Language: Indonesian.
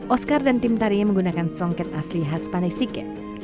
oskar dan tim tarinya menggunakan songket asli khas pane sike